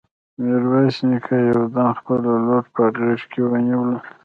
ميرويس نيکه يو دم خپله لور په غېږ کې ونيوله.